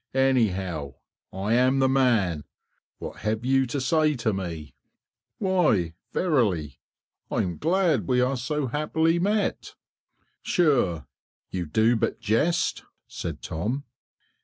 Anyhow, I am the man; what have you to say to me?" "Why, verily, I'm glad we are so happily met." "Sure, you do but jest," said Tom.